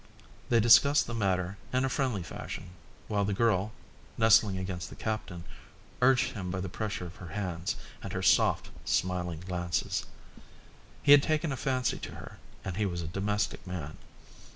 They discussed the matter in a friendly fashion, while the girl, nestling against the captain, urged him by the pressure of her hands and her soft, smiling glances. He had taken a fancy to her and he was a domestic man.